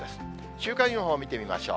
週間予報を見てみましょう。